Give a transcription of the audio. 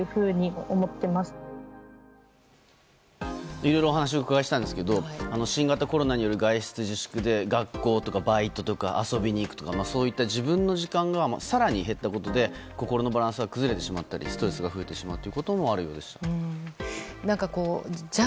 いろいろお話をお伺いしたんですけど新型コロナによる外出自粛で学校とかバイトとか遊びに行くとかそういった自分の時間が更に減ったことで心のバランスが崩れてしまったりストレスが増えてしまうこともじゃあ